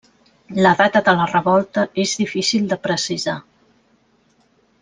La data de la revolta és difícil de precisar.